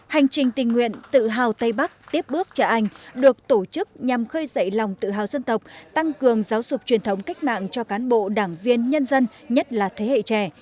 hành trình tình nguyện tự hào tây bắc tiếp bước trở anh được tổ chức nhằm khơi dậy lòng tự hào dân tộc tăng cường giáo dục truyền thống cách mạng cho cán bộ đảng viên nhân dân nhất là thế hệ trẻ